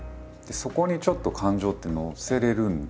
そこにちょっと感情って乗せれるんですよね。